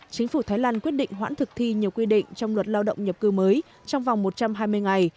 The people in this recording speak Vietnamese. chính phủ thái lan quyết định hoãn thực thi nhiều quy định trong luật lao động nhập cư mới trong vòng một trăm hai mươi ngày